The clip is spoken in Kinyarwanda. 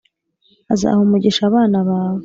“Azaha umugisha abana bawe,